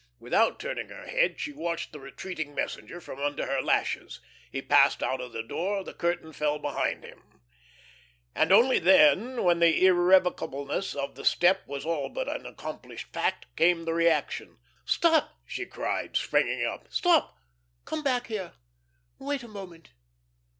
Without turning her head, she watched the retreating messenger, from under her lashes. He passed out of the door, the curtain fell behind him. And only then, when the irrevocableness of the step was all but an accomplished fact, came the reaction. "Stop!" she cried, springing up. "Stop! Come back here. Wait a moment."